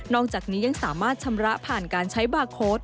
อกจากนี้ยังสามารถชำระผ่านการใช้บาร์โค้ด